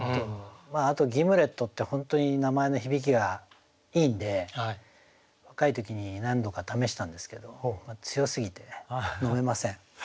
あと「ギムレット」って本当に名前の響きがいいんで若い時に何度か試したんですけど強すぎて飲めません。